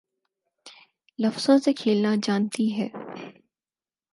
لفظوں سے کھیلنا جانتی ہے